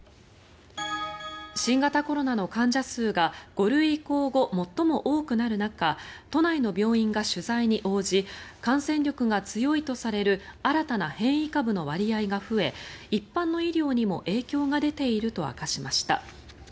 新型コロナの患者数が５類移行後最も多くなる中都内の病院が取材に応じ感染力が強いとされる新たな変異株の割合が増え一般の医療にも影響が出ていると明かしました。